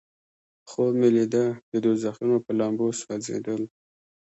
خوب مې لیده د دوزخونو په لمبو سوځیدل.